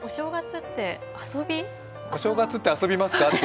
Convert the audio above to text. お正月って遊びますか？